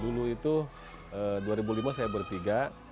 dulu itu dua ribu lima saya bertiga